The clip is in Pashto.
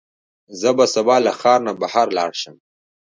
زه به سبا له ښار نه بهر لاړ شم.